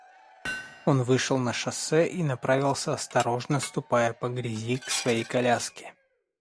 Он вышел на шоссе и направился, осторожно ступая по грязи, к своей коляске.